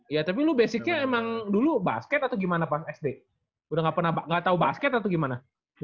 iya tapi lo basicnya emang dulu basket atau gimana pas sd udah gak tau basket atau gimana